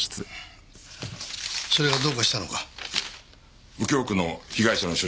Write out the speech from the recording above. それがどうかしたのか？